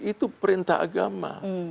itu perintah agama